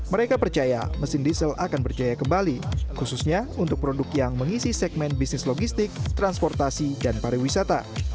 mereka percaya mesin diesel akan berjaya kembali khususnya untuk produk yang mengisi segmen bisnis logistik transportasi dan pariwisata